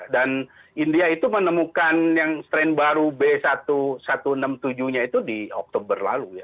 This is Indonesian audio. dan india itu menemukan yang strain baru b satu satu enam tujuh nya itu di oktober lalu ya